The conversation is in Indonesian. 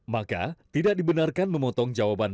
maka tidak dibenarkan memotong jawaban